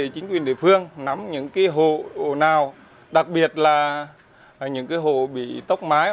chính quyền địa phương nắm những hồ nào đặc biệt là những hộ bị tốc mái